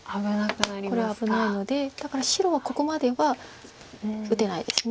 これは危ないのでだから白はここまでは打てないです。